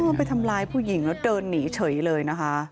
ไปทำร้ายผู้หญิงแล้วเดินหนีเฉยเลยนะคะ